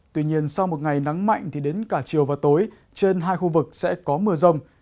tuy nhiên sau một ngày nắng mạnh thì đến cả chiều và tối trên hai khu vực sẽ có mưa rông